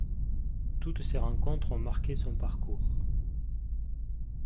Toutes ces rencontres ont marquée son parcours.